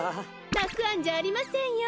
たくあんじゃありませんよ。